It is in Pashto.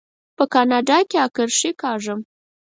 په کاناډا کې اکرښې کاږم.